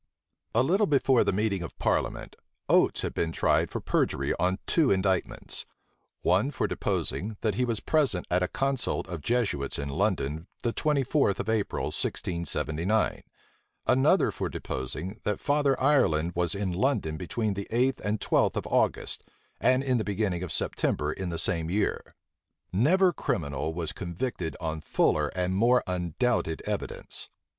A little before the meeting of parliament, Oates had been tried for perjury on two indictments; one for deposing, that he was present at a consult of Jesuits in London the twenty fourth of April, 1679; another for deposing, that Father Ireland was in London between the eighth and twelfth of August, and in the beginning of September, in the same year. Never criminal was convicted on fuller and more undoubted evidence.